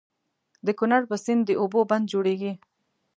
د کنړ په سيند د اوبو بند جوړيږي.